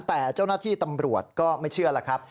แต่เจ้าหน้าที่ตำรวจก็ไม่เชื่อแล้วครับ